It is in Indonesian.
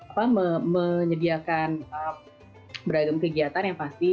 apa menyediakan beragam kegiatan yang pasti